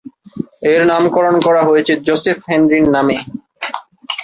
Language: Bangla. এর নামকরণ করা হয়েছে জোসেফ হেনরির নামে।